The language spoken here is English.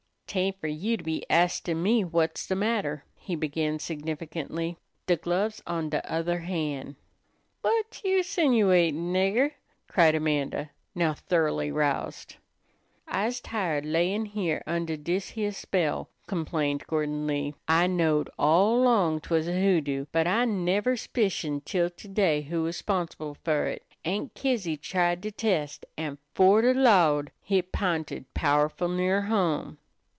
"'Tain't fer you to be astin' me whut's de matter," he began significantly. "De glove's on de other han'." "Whut you 'sinuatin', nigger?" cried Amanda, now thoroughly roused. "I's tired layin' heah under dis heah spell," complained Gordon Lee. "I knowed all 'long 'twas a hoodoo, but I neber 'spicioned till to day who was 'sponsible fer hit. Aunt Kizzy tried de test, an', 'fore de Lawd, hit p'inted powerful' near home."